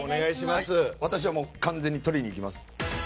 私は完全にとりにいきます。